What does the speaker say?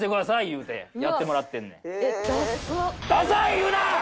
言うてやってもらってんねん。